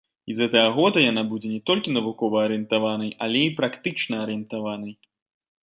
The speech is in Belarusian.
І з гэтага года яна будзе не толькі навукова арыентаванай, але і практычна арыентаванай.